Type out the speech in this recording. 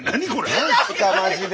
なんすかマジで。